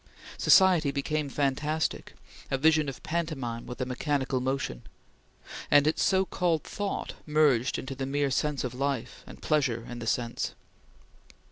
Society became fantastic, a vision of pantomime with a mechanical motion; and its so called thought merged in the mere sense of life, and pleasure in the sense.